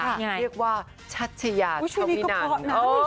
เรียกว่าชัชยาชวินัน